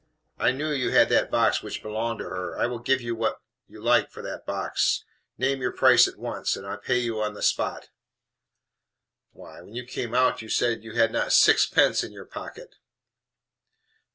"I knew you had that box which belonged to her I will give you what you like for that box. Name your price at once, and I pay you on the spot." "Why, when you came out, you said you had not six pence in your pocket."